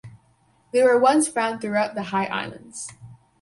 They were once found throughout the high islands.